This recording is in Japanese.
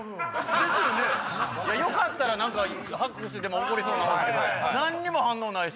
よかったら拍手でも起こりそうなもんですけど何にも反応ないし。